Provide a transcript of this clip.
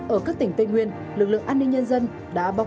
ở các tỉnh tây nguyên lực lượng an ninh nhân dân đã bóc